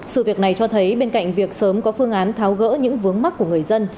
sự việc này cho thấy bên cạnh việc sớm có phương án tháo gỡ những vướng mắt của người dân